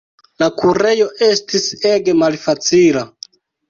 La kurejo estis ege malfacila.